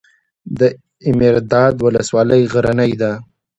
دایمیرداد ولسوالۍ غرنۍ ده؟